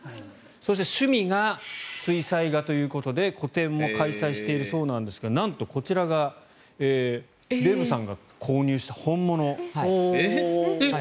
そして趣味が水彩画ということで個展も開催しているそうなんですがなんとこちらがデーブさんが購入した本物。